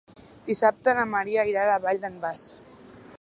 Dissabte na Maria irà a la Vall d'en Bas.